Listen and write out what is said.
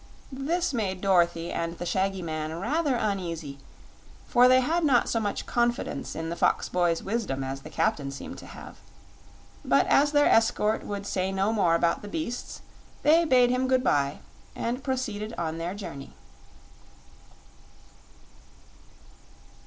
This made Dorothy and the shaggy man rather uneasy, for they had not so much confidence in the fox boy's wisdom as the captain seemed to have. But as their escort would say no more about the beasts, they bade him good bye and proceeded on their journey.